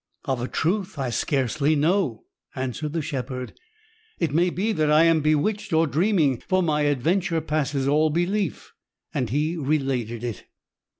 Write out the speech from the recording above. "Of a truth I scarcely know," answered the shepherd. "It may be that I am bewitched, or dreaming, for my adventure passes all belief," and he related it.